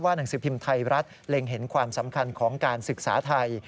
หนังสือพิมพ์ไทยรัฐเล็งเห็นความสำคัญของการศึกษาไทย